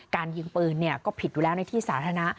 การยิงปืนก็ผิดอยู่แล้วในที่สาธารณะ